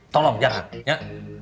tolong jangan ya